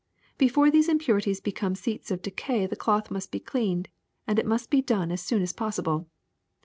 Before these impurities become seats of decay the cloth must be cleaned, and it must be done as soon as possible.